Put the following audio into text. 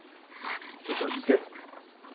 ちょっと落ち着け。